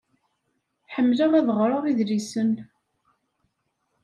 Ḥemmleɣ ad ɣreɣ idlisen.